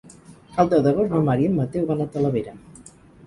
El deu d'agost na Mar i en Mateu van a Talavera.